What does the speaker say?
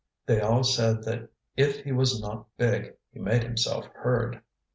They all said that if he was not big he made himself heard.